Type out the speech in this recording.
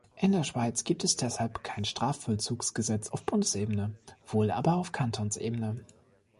In der Schweiz gibt es deshalb kein Strafvollzugsgesetz auf Bundesebene, wohl aber auf Kantonsebene.